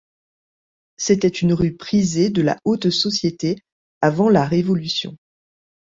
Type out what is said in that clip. C’était une rue prisée de la haute société avant la révolution.